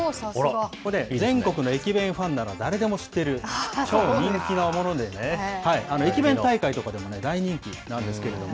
これね、全国の駅弁ファンなら誰でも知ってる超人気なものでね、駅弁大会とかでも大人気なんですけれども。